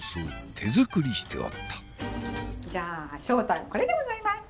じゃあ正体はこれでございます！